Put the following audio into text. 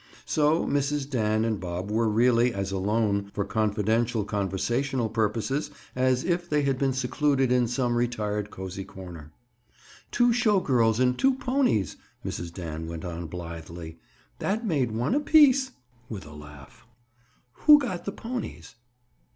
So Mrs. Dan and Bob were really as alone, for confidential conversational purposes, as if they had been secluded in some retired cozy corner. "Two show girls and two ponies!" Mrs. Dan went on blithely. "That made one apiece." With a laugh. "Who got the ponies?"